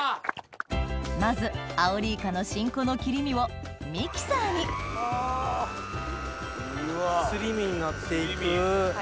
まずアオリイカの新子の切り身をミキサーにすり身になって行く。